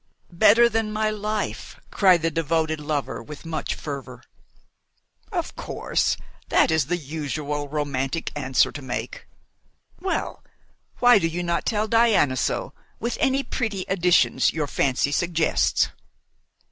"Better than my life!" cried the devoted lover with much fervour. "Of course! That is the usual romantic answer to make. Well, why do you not tell Diana so, with any pretty additions your fancy suggests?"